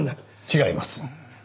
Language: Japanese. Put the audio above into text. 違います。